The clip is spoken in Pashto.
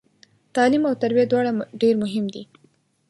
تعلیم او تربیه دواړه ډیر مهم دي